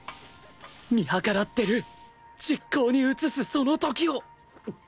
見計らってる実行に移すその時を！